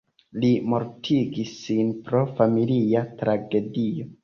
Li mortigis sin pro familia tragedio.